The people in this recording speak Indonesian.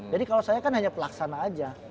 jadi kalo saya kan hanya pelaksana aja